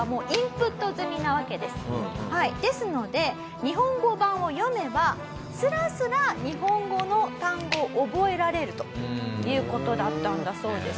ですので日本語版を読めばスラスラ日本語の単語を覚えられるという事だったんだそうです。